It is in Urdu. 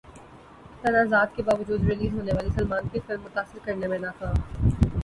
تنازعات کے باوجود ریلیز ہونے والی سلمان کی فلم متاثر کرنے میں ناکام